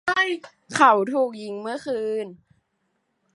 เขาถูกยิงเมื่อคืน